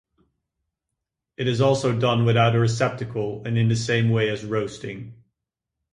It is also done without a receptacle and in the same way as roasting.